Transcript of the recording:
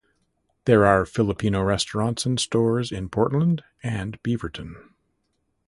There are Filipino restaurants and stores in Portland and Beaverton.